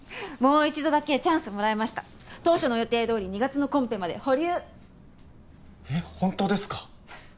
もう一度だけチャンスもらえました当初の予定どおり２月のコンペまで保留えっ本当ですか？